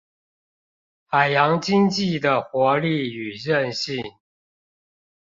海洋經濟的活力和靭性